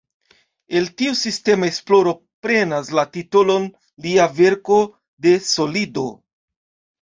El tiu sistema esploro prenas la titolon lia verko "De solido".